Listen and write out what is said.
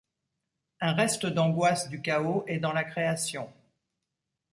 Un reste d’angoisse du chaos est dans la création.